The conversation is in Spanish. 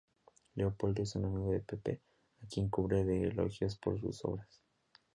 Leopoldo es un amigo de Pepe a quien cubre de elogios por sus obras.